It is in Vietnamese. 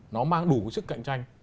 nó mang đủ sức cạnh tranh